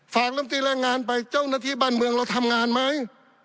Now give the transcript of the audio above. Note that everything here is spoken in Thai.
ลำตีแรงงานไปเจ้าหน้าที่บ้านเมืองเราทำงานไหม